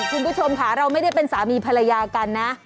คุณผู้ชมค่ะเราไม่ได้เป็นสามีภรรยากันนะ